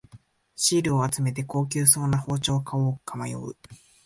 シールを集めて高級そうな包丁を買おうか迷う